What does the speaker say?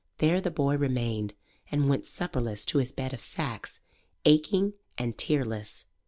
There the boy remained and went supperless to his bed of sacks, aching and tearless.